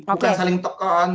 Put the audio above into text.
bukan saling tekan